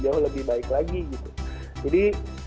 jauh lebih baik lagi gitu jadi